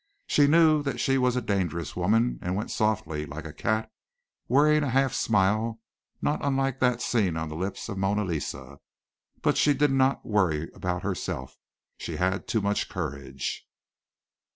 She knew that she was a dangerous woman and went softly, like a cat, wearing a half smile not unlike that seen on the lips of Monna Lisa, but she did not worry about herself. She had too much courage.